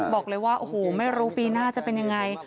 บอกเลยว่าโอ้โหไม่รู้ปีหน้าจะเป็นยังไง